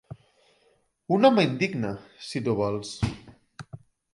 Un home indigne, si tu vols;